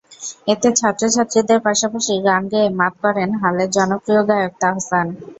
এতে ছাত্রছাত্রীদের পাশাপাশি গান গেয়ে মাত করেন হালের জনপ্রিয় গায়ক তাহসান।